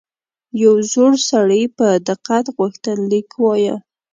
یو زوړ سړي په دقت غوښتنلیک وایه.